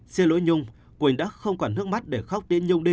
xin lỗi nhung quỳnh đã không còn nước mắt để khóc đến nhung đi